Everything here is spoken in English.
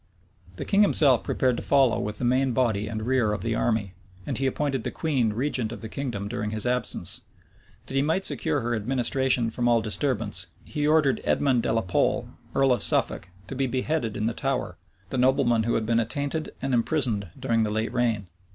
The king himself prepared to follow with the main body and rear of the army; and he appointed the queen regent of the kingdom during his absence. That he might secure her administration from all disturbance, he ordered Edmond de la Pole, earl of Suffolk, to be beheaded in the Tower, the nobleman who had been attainted and imprisoned during the late reign.